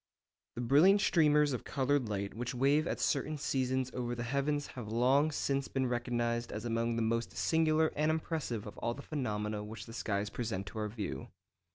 _ The brilliant streamers of coloured light which wave at certain seasons over the heavens have long since been recognised as among the most singular and impressive of all the phenomena which the skies present to our view.